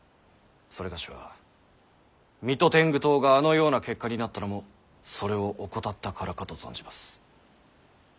某は水戸天狗党があのような結果になったのもそれを怠ったからかと存じます。